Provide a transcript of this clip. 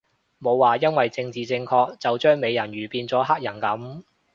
冇話因為政治正確就將美人魚變咗黑人噉